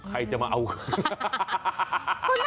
ใครจะมาเอา